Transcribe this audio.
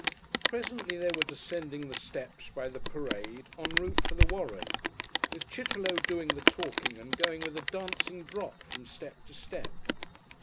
Presently they were descending the steps by the Parade en route for the Warren, with Chitterlow doing the talking and going with a dancing drop from step to step....